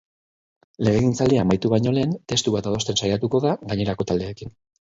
Legegintzaldia amaitu baino lehen testu bat adosten saiatuko da gainerako taldeekin.